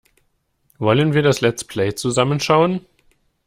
Wollen wir das Let's Play zusammen schauen?